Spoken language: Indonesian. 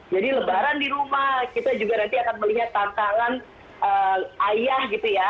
jadi lebaran di rumah kita juga nanti akan melihat tantangan ayah gitu ya